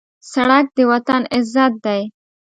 سړک د وطن عزت دی.